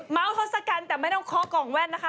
เมาโทสกันแต่ไม่ต้องคอกองแว่นนะคะ